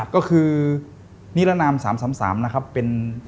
ก็คือนิรนาม๓๓นะครับเป็น